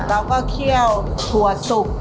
แล้วก็เคี่ยวถั่วสุก